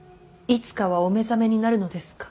いつかはお目覚めになるのですか。